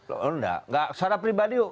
oh enggak secara pribadi